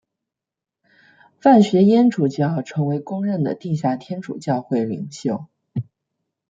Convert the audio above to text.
范学淹主教成为公认的地下天主教会领袖。